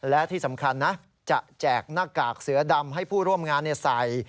และที่สำคัญนะจะแจกหน้ากากเสือดำให้ผู้ร่วมงานใส่